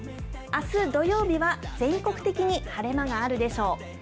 あす土曜日は、全国的に晴れ間があるでしょう。